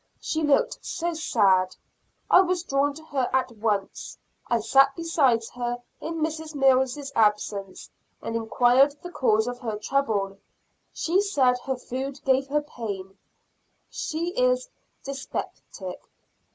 She looked so sad, I was drawn to her at once. I sat beside her in Mrs. Mills' absence, and enquired the cause of her trouble; she said her food gave her pain she is dyspeptic.